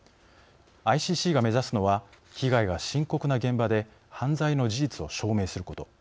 ＩＣＣが目指すのは被害が深刻な現場で犯罪の事実を証明すること。